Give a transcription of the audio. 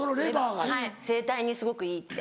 はい声帯にすごくいいって。